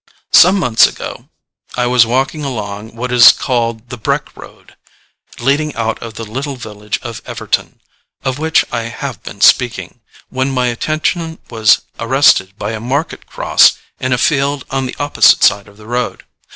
Some months ago, I was walking along what is called the Breck Road, leading out of the little village of Everton, of which I have been speaking, when my attention was arrested by a market cross in a field on the opposite side of the road.